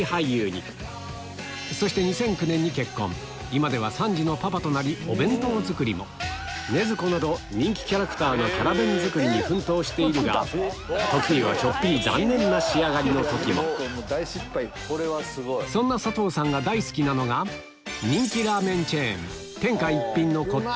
今では３児のパパとなりお弁当作りも人気キャラクターのキャラ弁作りに奮闘しているが時にはちょっぴり残念な仕上がりの時もそんな佐藤さんが大好きなのが人気ラーメンチェーン